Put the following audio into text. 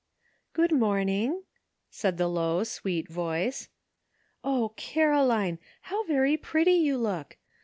*' Good morning," said the low sweet voice. " O, Caroline ! how very pretty you look.